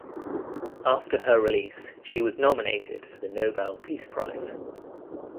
After her release she was nominated for the Nobel Peace Prize.